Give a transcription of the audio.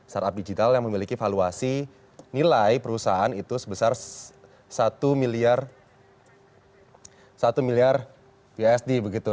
startup digital yang memiliki valuasi nilai perusahaan itu sebesar satu miliar satu miliar usd begitu